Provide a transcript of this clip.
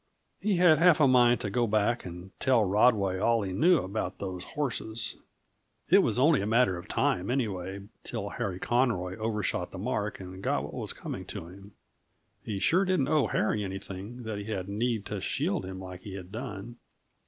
He had half a mind to go back and tell Rodway all he knew about those horses; it was only a matter of time, anyway, till Harry Conroy overshot the mark and got what was coming to him. He sure didn't owe Harry anything, that he had need to shield him like he had done.